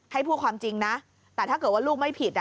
ให้พูดความจริงนะแต่ถ้าเกิดว่าลูกไม่ผิด